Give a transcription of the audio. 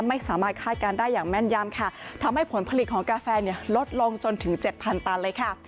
คาดการณ์ได้อย่างแม่นยำค่ะทำให้ผลผลิตของกาแฟเนี่ยลดลงจนถึงเจ็ดพันตันเลยค่ะ